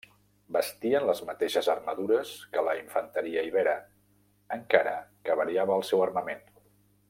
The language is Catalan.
Vestien les mateixes armadures que la infanteria ibera, encara que variava el seu armament.